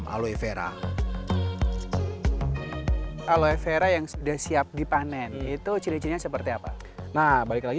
aloe vera aloe vera yang sudah siap dipanen itu ciri cirinya seperti apa nah balik lagi